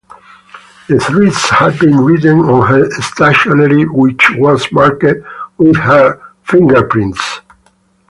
The threats had been written on her stationery, which was marked with her fingerprints.